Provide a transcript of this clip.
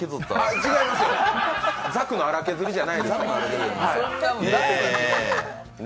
違いますよ、ザクの粗削りじゃないですよ。ね